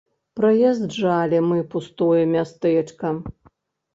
Праязджалі мы пустое мястэчка.